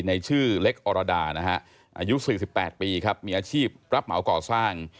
ในชื่อเล็กอรดานะฮะอายุ๔๘ปีครับมีอาชีพรับเหมาก่อสร้าง